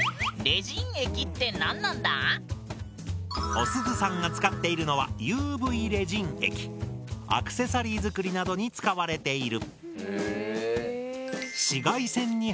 おすずさんが使っているのはアクセサリー作りなどに使われている。